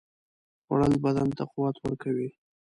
خوړل بدن ته قوت ورکوي